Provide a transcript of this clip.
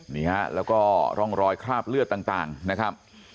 นี่ฮะแล้วก็ร่องรอยคราบเลือดต่างนะครับ